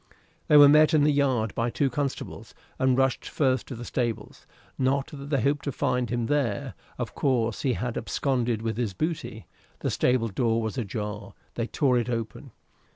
They were met in the yard by two constables, and rushed first to the stables, not that they hoped to find him there. Of course he had absconded with his booty. The stable door was ajar. They tore it open.